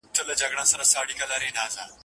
چي اغیار یې بې ضمیر جوړ کړ ته نه وې.